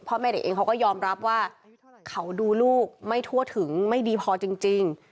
แม่เด็กเองเขาก็ยอมรับว่าเขาดูลูกไม่ทั่วถึงไม่ดีพอจริง